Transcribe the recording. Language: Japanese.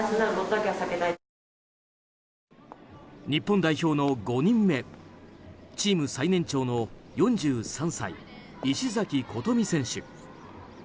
日本代表の５人目チーム最年長の４３歳石崎琴美選手。